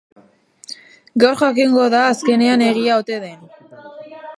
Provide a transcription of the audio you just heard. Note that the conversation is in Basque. Gaur jakingo da azkenean egia ote den.